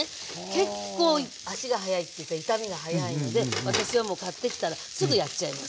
結構足が早いっていうか傷みが早いので私はもう買ってきたらすぐやっちゃいます。